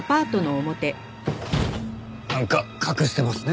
なんか隠してますね。